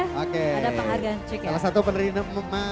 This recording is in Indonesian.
salah satu penerima